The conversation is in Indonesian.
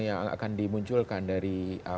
yang akan dimunculkan dari